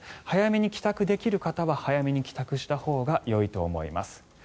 早めに帰宅できる方は早めに帰宅したほうがよいと思います。